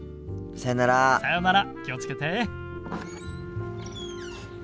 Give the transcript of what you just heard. さよなら気を付けて。